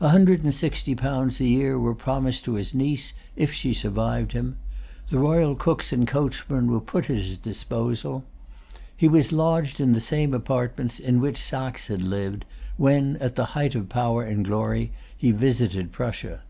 A hundred and sixty pounds a year were promised to his niece if she survived him. The royal cooks and coachmen were put at his disposal. He was lodged in the same apartments in which Saxe had lived, when, at the height of power and glory, he visited Prussia.